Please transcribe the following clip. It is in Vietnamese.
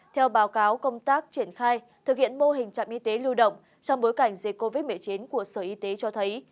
theo báo cáo công tác triển khai thực hiện mô hình trạm y tế lưu động trong bối cảnh dịch covid một mươi chín của sở y tế cho thấy